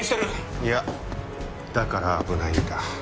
いやだから危ないんだ。